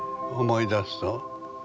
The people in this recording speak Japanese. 思い出すと。